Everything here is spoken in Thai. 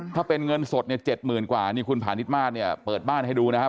ถ้าเป็นเงินสดเนี่ย๗๐๐กว่านี่คุณพาณิชมาสเนี่ยเปิดบ้านให้ดูนะครับ